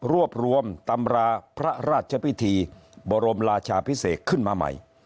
รวบรวมตำราพระราชพิธีบรมราชาพิเศษขึ้นมาใหม่